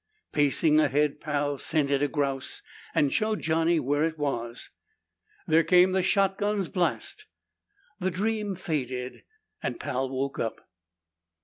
Pacing ahead, Pal scented a grouse and showed Johnny where it was. There came the shotgun's blast. The dream faded and Pal woke up.